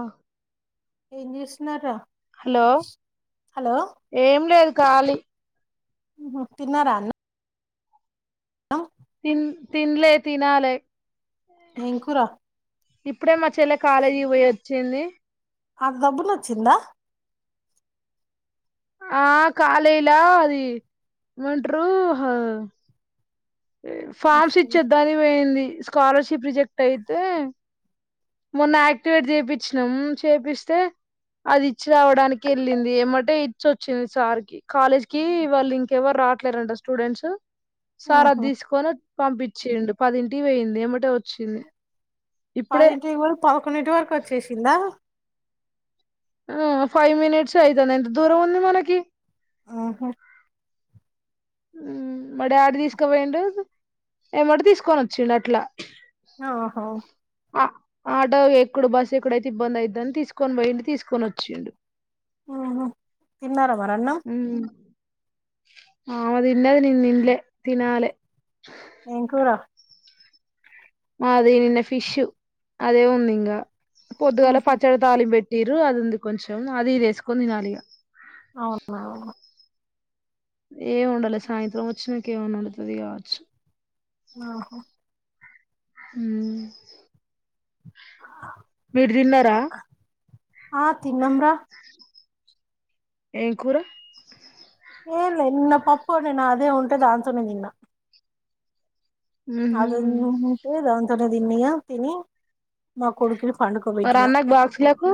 ఆ ఏం చేస్తున్నారా హలో హలో ఏం లేదు. ఖాళి ఉహు తిన్నార అన్న తిన్ తిన్లే తినాలే. ఏంకురా. ఇప్పుడే మ చెల్లె కాలేజీ పొయ్యె చెల్లీ ఆత్ దబ్బున ఒచ్చిందా. ఆ కాలీలా అదీ ఏమంటరూ హా ఫార్మ్స్ ఇచ్చేద్దానికి పోయింది. స్కాలర్షి షిప్ రిజెక్ట్ అయితే మొన్న యాక్టివేట్ చెప్పిచ్చినం. చేపిస్తే అది ఇచ్చి రావడానికి ఎళ్ళింది ఎంబటే ఇచ్చొచ్చింది సార్కి. కాలేజ్ కీ వాళ్ళు ఇంకెవర్ రావట్లేరంట స్టూడెంట్సు. సారొద్ ఆహా తీసుకొనిఒ పంపించిండు పదింటికి పోయింది వెంబటే వచ్చింది. ఇప్పుడే పదింటికి పొయి పదకొండింటి వరకు వచ్చేశిందా. ఆ ఫైవ్ మినిట్స్ అయితుంది ఎంత దూరం ఉంది మనకీ. ఆహో ఉమ్ మా డాడీ తీసకపోయిండూ, ఏంబటి తీసుకొని ఒచ్చిండు అట్లా. ఓహో ఆ ఆటో ఎక్కడు బస్సు ఎక్కడైతే ఇబ్బంది అయిద్దని తీసుకొని పోయిడి తీసుకొని వచ్చిండు తిన్నారామరి అన్నం ఆ ఆమె తిన్నది నిను తినలే తినాలి ఏంకూరా మాది నిన్న ఫిష్ అదే ఉంది ఇంగా పొద్దుగాల ఆహా పచ్చడి తాళిం పెట్టి ఇరు అది ఉంది కొంచెం అది ఇది వేసుకొని తినాలిగా అవునా అవును ఏం ఉండాలి సాయంత్రం వచ్చినాక ఏం ఉండాలి తది కావచ్చు ఆహో హ ఆ మీరు తిన్నారా ఆఠ తినమరా ఏ కూర ఏ లే ఇన్న పాప్పు ఉన్న నా అదే ఉంట దాసున్నందిన్న హుహు. అద ఉంతదా ఉ తిన్న తిని మా కొడుకు మరి అన్నకు బాక్సులకు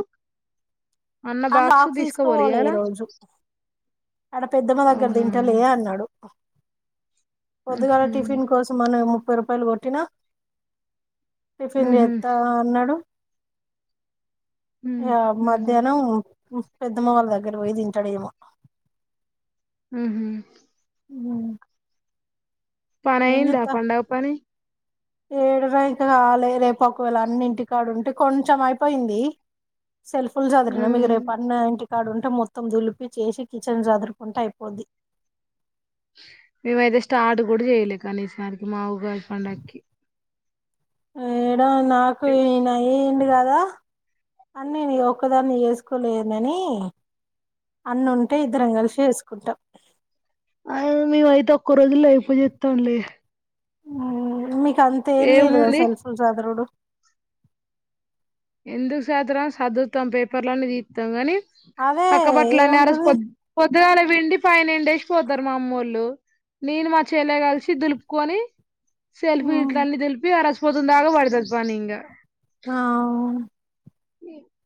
అన్న అ బాక్స్ తీసుకోపోలే తీసుకుపోలే ఇయ్యాల ఈ రోజు ఆడ పెద్దమ్మ దగ్గర అవునా. తింటలే అన్నాడు ఉహు పొద్దుగాల టిఫిన్ కోసం మనం ముప్పై రూపాయలు కొట్టినా టిఫిన్ ఉహు చేత అన్నాడు ఉమ్, అ ఉమ్, మధ్యాహ్నం పెద్దమ్మ వాళ్ళ దగ్గర పోయి తింటాడేమో హ పనీ అయ్యిందా పంండగ పని ఏడువ ఇకాలే రేపు ఒకవేళ అన్ని ఇంటికాడు ఉంటే కొంచెం అయిపోయింది సల్ఫుల్స్ అద న మ మీ ఉమ్. ఇరు పన్నంటి ఆడుంటే మొత్తం దులిపి చేసి కిచెన్ చదురుకుంటూ అయిపోద్ది మేమయితే స్టార్ట్ కూడా చేయ్యలే కనీసార్కి మా ఊగాస్పడ్కి ఆ నాకు నాయి ఏంటి కా అన్ని నేను ఒక్కదాన్ని చేసుకోలేనని అన్న ఉంటే ఇద్దరం కలిసి చేసుకుంటాం, అ మేము అయితే ఒక్క రోజుల్లో అయిపో చెస్తాంలే, హు మీ అంత ఏం లేదుగా ఏముంది సెల్ఫీ సదురుడు ఎందుకు సదరం సర్దువుతాం పేపర్లు అన్ని తీతాము గాని, అదే అక్క బట్టలన్నీ ఏ రోజు ఏముంటది పోదాం పో పొద్దుగాల పిండి పై ఎండేసి పోతారు మా అమ్మోళ్ళు నేను మా చెల్లె కలిసి దులుపుకొని సెల్ఫీ గిట్ల అన్ని దులిపి ఆరోజు పొద్దు దాగా పడుతుంది పని ఇంకా ఆ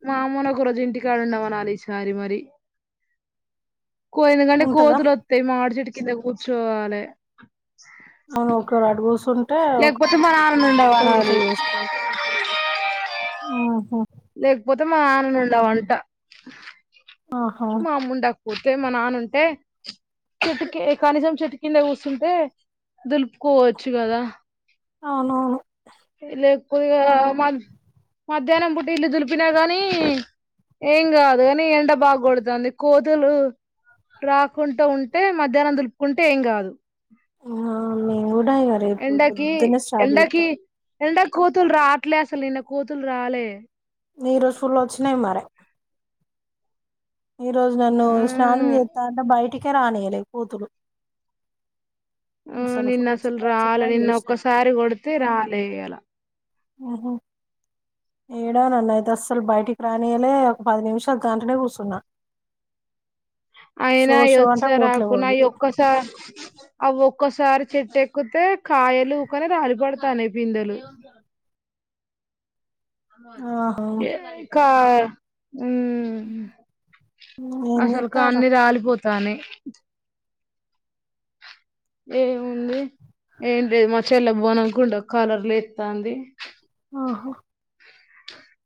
మా అమ్మను ఒక రోజు ఇంటికాడు ఉండమనాలి ఈసారి మరి కో ఎందుకంటే ఉంటదా కోతులు వత్తాయి మాడి చెట్టు కింద కూర్చో వాలే, అవును ఒకరు అడుగుసుంటే ఓ లేకపోతే మా నాన్నను [unintelligible] ఇంట్లో ఉండమనాలి చేసుకోవచ్చు హు లేకపోతే మా నాన్న ఉండమంట, ఆహా ఆహా మా ముూడాకు పోతే మా నాన్నంటే చెట్టుకి కనీసం చెట్టు కింద కూసుంటే దులుపుకోవచ్చు కదా అవునవును లేక పో మధ్యాహ్నం పుట్టి ఇల్లు దులిపినా గానీ ఏం కాదు. కాని ఎండ బాగ కొడుతుంది. కోతులు రాకుండా ఉంటే మధ్యాహ్నం దులుపుకుంటే ఏం కాదు, ఆ మేము కూడ రేపు పొద్దున్నే స్టార్ట్ చేతం ఎండ కు కోతులు రాట్లే అసలు నిన్న కూతులు రాలే, ఈరోజు ఫుల్ వచ్చినాయి మరే, ఈ రోజు నన్ను స్నానం అవును చేస్తా అంటే బయటికి అందుకే రానీయలేదు కోతులు ఆ నిన్న అసలు రాలే నిన్న ఒక్కసారి కొడితే రాలే ఇయాల, హు ఏడా నన్న అయితే అస్సలు బయటికి రానియలే ఒక పది నిమిషాలు దాంట్లోనే కూసున్న అయినా అవి వచ్చిన రాకున్నా అవి అయి ఒక్క సా ఒక్కసారి చెట్టు ఎక్కితే కాయలు ఊకనే రాలి పడుతున్నాయిపిందెలు, ఆహా ఏ కా ఉ ఏం అసలు చేస్తారు కాన్ని రాలిపోతు తనే ఎమ్ ఉంది ఏంటి లేదు మ చెల్ బోనకుండా కాలర్లు ఎత్తా అంది ఆహా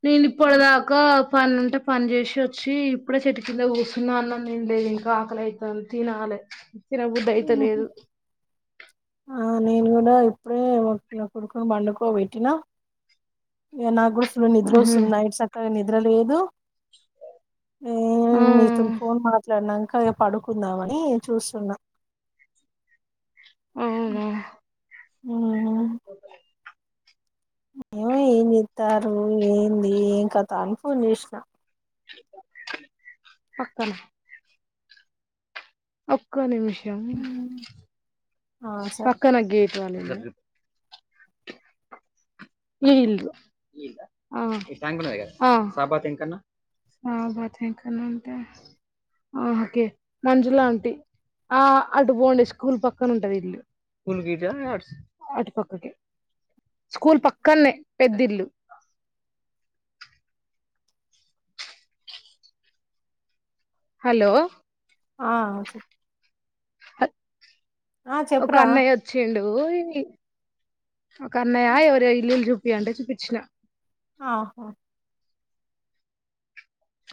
నేను ఇప్పటిదాకా పని ఉంటే పని చేసి వచ్చి ఇప్పుడే చెట్టుకింద కూచన్నా అన్నం తినలేదు ఇంకా ఆకలయితాంది తినాలై తిన బుద్ధి అయితలేదు ఆ నేను కూడా ఇప్పుడే కొడుకుని బండుకో పెట్టినా నాకు కూ నిద్ర వస్తుంది నైట్ చక్కగా నిద్ర నిద్ర లేదు ఆహా ఉమ్ మీతోని ఫోన్ మాట్లాడినాక చక్కగా పడుకుందామని చూస్తున్నా ఉ ఓ ఎమో ఏం చేస్తారు ఏంది ఏం కథ అని ఫోన్ చేసినా పక్కనే ఒక్క నిమిషం ఆ సరే పక్కనగె చాల ఈ ఇల్లు ఈ ఇళ్ల ట్యాంక్ ఉంది కదా ఆ ఆ సా భాతివెంకన సాభాతి వెంకన్న అంటే ఆ ఓకే మంజులాంటి ఆ అటు పోండి స్కూల్ పక్కన ఉంటది ఇల్లు స్కూల్ విధ అటు పక్కకి స్కూల్ పా కన్నె పెద్దిల్లు హలో ఆ చె అ ఒక చెప్పురా అన్నయ్య వచ్చిండు ఓయ్ ఒక అన్నయ్య ఎవరో ఇల్లులు చూపించమంటే చూపించిన ఆహా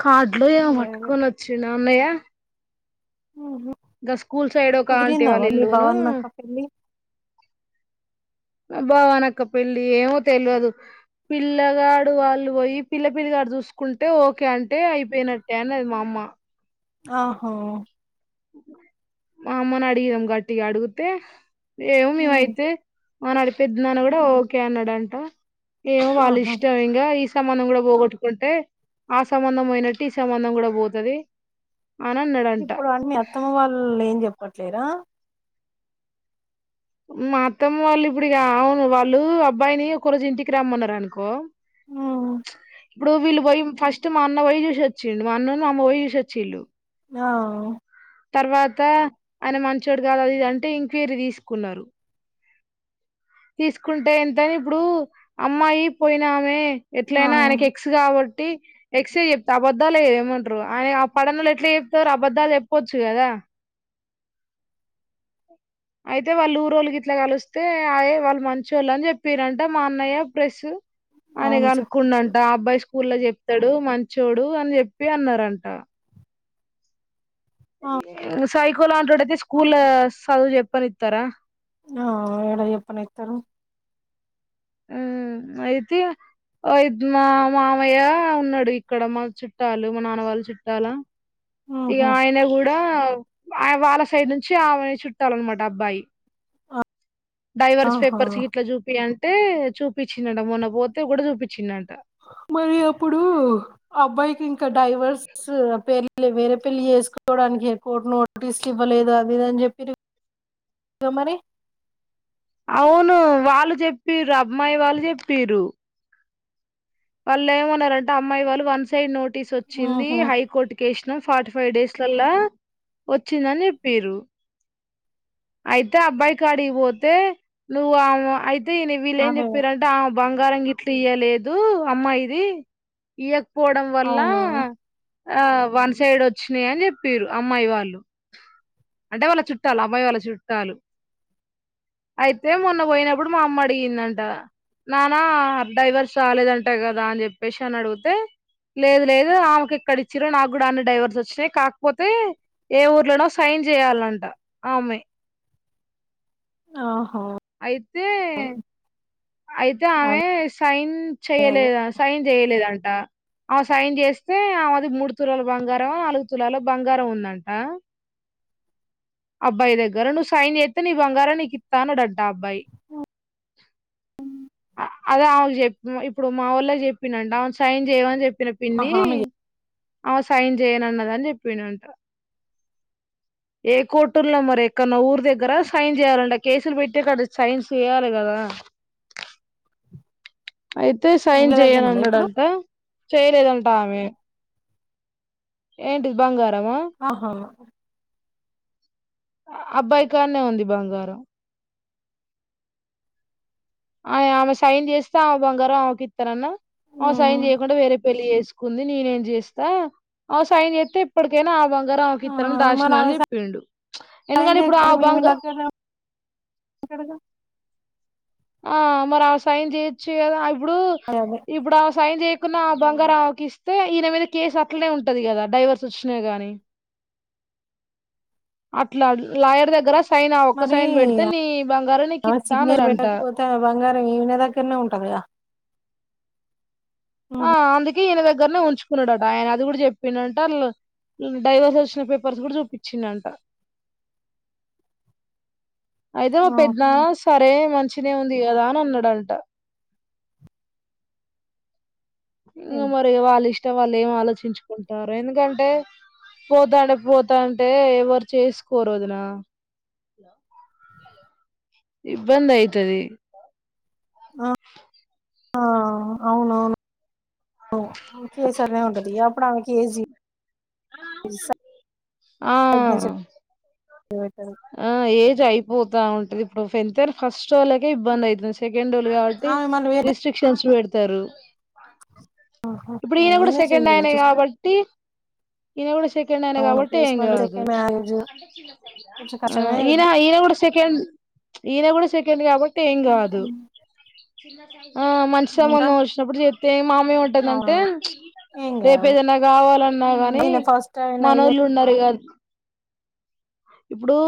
కాడ్లో ఏమో అదే అదే పట్టుకొని వచ్చిడు అన్నయ్య మ్హ్ ఇంకా స్కూల్ సైడ్ ఒక కా కుదిరిందా అంటివాళ్ళ మరి మీ ఇల్లును భవనక్క పెళ్లి భవాని అక్కపెళ్లి. ఏమో తెలియదు పిల్లగాడు వాళ్ళు పోయి పిల్ల పిల్లిగాడు చూసుకుంటే ఓకే అంటే అయిపోయినట్టే అనది మా అమ్మ ఆహో మామ్మని అడిగినం గట్టిగా అడిగితే ఏమో మ్ నివాయితే అవును అడిపిద్దన్నాన్న కూడా ఓకే అన్నాడుంటా ఏమో వాళ్ళు ఆహా ఇష్టం ఇంగా సంబంధం కూడా పోగొట్టుకుంటే ఆ సంబంధం పోయినట్టు ఈ సంబంధం కూడా పోతుంది అని అన్నాడంట ఇప్పుడు మీ అత్తమ్మ వాళ్ళు ఏం చెప్పట్లేరా మత్తమ్మ వాళ్ళు ఇప్పుడుక అవును వాళ్ళు అబ్బాయిని ఒక రోజు ఇంటికి రమ్మన్నారు అనుకో హు ఇప్పుడు వీళ్ళు పోయి ఫస్ట్ మా అన్న పోయి చూసిచ్చిండి మా అన్నను అమ్మ పోయి చూసొచ్చిళ్ళు ఆం తర్వాత ఆయన మంచిడు కాదు అది ఇది అంటే ఎంక్వైరీ తీసుకున్నారు తీసుకుంటే ఎంతని ఇప్పుడు అమ్మాయి పోయినామే ఆ ఎట్లయినా ఆయనకి ఎక్స్ కాబట్టి ఎక్స చెప్త అబద్దాలుద ఏమంటారు ఆయన ఆ పడనంలో ఎట్లా చెప్తారు అబధాలు చెప్పచ్చు కదా అయితే వాళ్ళు ఊరుోళ్ళకి ఇట్లా కలిస్తే ఆయ వాళ్ళు మంచిళ్ళు అని చెప్పారంట మా అన్నయ్య ప్రెస్ ఆయన అవును చెప్పచ్చు కనుకున్నంట అబ్బాయి స్కూల్ లో చెప్ప ఇతడు మంచోడు అని చెప్పి అన్నారంట ఆ [unintelligible] సైకోల్లాంటోడు అయితే స్కూల్ చదువు చెప్పనిస్తారా ఆ ఏడా చెప్పనవుతారు ఉ అయితేయి మా మామయ్య ఉన్నాడు ఇక్కడ మా చుట్టాలు మా నాన్నవాళ్ళ చుట్టాలా ఇ ఉహు ఆయన హుడ కూడా వాళ్ళ సైడ్ నుంచి ఆమెని చుట్టాలన్నమాట అబ్బాయి డైవర్స్ ఆహా పేపర్స్లా గిట్ల చూపి అంటే అంటే చూపించినట మొన్న పోతే కూడా చూపించినంట మరి అప్పుడు అబ్బాయికి ఇంకా డైవర్స్ పేర్లు వేరే పెళ్లి చేసుకోవడానికి కోర్టు నోటీసులు ఇవ్వలేదు అది ఇదని చెప్పి మరి అవును వాళ్ళు చెప్పరు అమ్మాయి వాళ్ళు చెప్పరు వాళ్ళు ఏమన్నారంటే అమ్మాయి వాళ్ళు వన్ సైడ్ నోట్ నోటీస్ వచ్చింది ఉహు హైకోర్టు కేసు ఫార్టీ ఫైవ్ డేస్లలా వచ్చిందని చెప్పిర్రు అయితే అబ్బాయికి కడిగిపోతే నువ్వు అయి అ వీళ్ళ ఏం అదే చెప్పారంట ఆ బంగారంంగ అట్టిఇయ్యలేదు అమ్మా ఇది ఈయకు పోవడం వల్ల అవును ఆ వన్ సైడ్ వచ్చినా అని చెప్పారు అమ్మాయి వాళ్ళు అంటే వాళ్ళ చుట్టాలు అమ్మాయి వాళ్ళ చుట్టాలు అయితే మొన్న పోయినప్పుడు మా అమ్మ అడిగిందంట నానా డ్రైవర్స్ రాలేదంటా కదా అని చెప్పేసి అని అడిగితే లేదు లేదు ఆమెకు ఇక్కడ ఇచ్చిార నాకు కూడా అన్ని డైవర్స్ వచ్చినాయి కాకపోతే ఏ ఊర్లోనో సైన్ చేయాలంట ఆ అమ్మయి ఆ అయితే అయితే ఆమె అదే సైన్ అదే చెయలేదా సైన్ చెయ సైన్ చేస్తే ఆది మూడు తులాల బంగారం నాలుగు తులాల బంగారం ఉందంట అబ్బాయి దగ్గర నువ్వు సైన్ చేస్తే నీ బంగారం నీకు ఇస్తా ఆ అబ్బాయి ఉ అదే అకు చెప్ప ఇప్పుడు మా వాళ్ళ చెప్పినంట అవును సైన్ చేయ అని చెప్పి చిన్న పిన్ని ఆహా ఆమె చె అ సైన్ చేయనున్నద అని చెప్పిను అంట ఏ కోర్టుల్లో మరి ఎక్కడన్నా ఊరు దగ్గర సైన్ చేయాలంట కేసులు పెట్టే కాడ సైన్ చేయాలి కదా అయితే సైన్ వీళ్ళ చెయను దగ్గరనే ఉందా ఇప్పుడు అన్నాడంట చేయలేదంటా ఆమె ఏంటిది బంగారమా ఆహా అబ్బాయి కానే ఉంది బంగారం ఆ ఆమె సైన్ చేస్తే ఆమె బంగారం మా అమ్మకి ఇస్తారంట ఉమ్ సైన్ చేయకుంటే ఆమె వేరే పెళ్లి చేసుకుంది నేనేం చేస్తా ఆన్ సాయం చేస్తే ఇప్పటికైనా ఆ బంగారం ఆమె ఇక్కడ ఆ ఇద్దరం మరి ఆమె దాశనాన్ని చెప్పిండు సాయం ఎందుకంటే ఇప్పుడు చేయకపోతే ఆమె మీ మీ బంగారం దగ్గరనే ఉంటడుగా ఆ మరి సైయిన్ చెయ్యచ్చుకదా ఇప్పుడు అదే అదే ఇప్పుడు ఆ సైన్ చేయకుంటే కున బంగారాకి ఇస్తే ఈయన మీద కేసు అట్లనే ఉంటది కదా డైవర్స్ వచ్చినా గాని అట్లా యర్ దగ్గర సైన్ ఆ ఒక్క మరి సైన్ పెడితే నీ బంగారు నీకు ఇస్తా అన్నాడంట అ వినీదగ్గరనే ఉంటది కదా ఆ అందు ఈయన దగ్గరనే ఉంచుకున్నాడు ఆయన అది కూడా చెప్పిందంట ఆయన డైవర్స్ వచ్చిన పేపర్స్ కూడా చూపించిందంట అయితే మా ఆ పెద్ద సరే మంచిగన ఉంది కదా అని అన్నాడు డంట ఇంగ మరగ వాళ్ళ ఇష్ట ఇంట్లో ఏం ఆలోచించుకుంటారు ఎందుకంటే పోతాండే పోతాంటే ఎవరు చేసుకోరు వదినా ఇబ్బంది అయితది ఆ అవునవును కేసరనే ఉండదియా ఇప్పుడు ఆమె కేజీ ఇస ఆ పెట్టదు ఆ ఏజ్ అయిపోతా ఉంటది ఎంత ఫస్ట్ వాళ్లకే ఇబ్బంది అయితుంది సె సెకండ్ డోలు కాబట్టి ఆమె మళ్ళీ వేరే రిస్ట్రిక్షన్స్ పెడత ఇస్తారు ఇప్పుడు ఈయన కూడా ఏముంది సెకండ్ చెయ్యరు ఇగ ఆయనే చూస్ కాబట్టి ఇది ఎ కం అన అవును కాబట్ ప్లస్ ఏం మళ్ళీ కాదు సెకండ్ మ్యారేజ్ కొంచెం కష్టమే అయిద్ది కూడా సెకండ్ ఈయన కూడా సెకండ్ కాబట్టి ఏం కాదు ఆ ఇంకా మంచిమం వచినప్పుడు చేస్తతే మామే ఉంటుందండి టే అవునవును ఏం రేపు కాదు ఏదన్న కావాలన్నా గనీ ఈయన ఫస్ట్ ఆయన అయి మనోళ్లు ఉన్నారు కాద ఇప్పుడూ